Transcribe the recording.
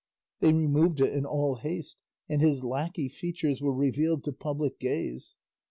They removed it in all haste, and his lacquey features were revealed to public gaze.